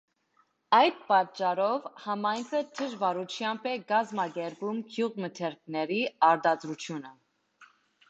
Այդ պատճառով համայնքը դժվարությամբ է կազմակերպում գյուղմթերքների արտադրությունը։